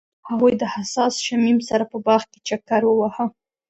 هغوی د حساس شمیم سره په باغ کې چکر وواهه.